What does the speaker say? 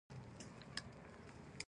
احمد ته اسمان تر سترګو نعلبکی ورځي.